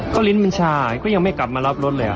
ก็ลิ้นมันชาก็ยังไม่กลับมารับรถเลย